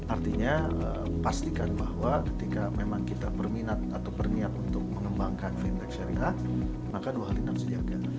artinya pastikan bahwa ketika memang kita berminat atau berniat untuk mengembangkan fintech syariah maka dua hal ini harus dijaga